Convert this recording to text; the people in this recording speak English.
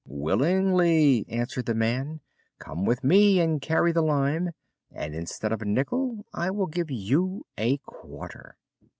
"Willingly," answered the man. "Come with me and carry the lime, and instead of a nickel I will give you a quarter."